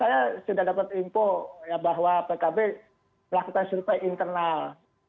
saya sudah dapat info bahwa pkb melakukan survei internal